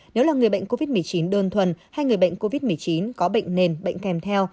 nếu là người bệnh covid một mươi chín đơn thuần hay người bệnh covid một mươi chín có bệnh nền bệnh kèm theo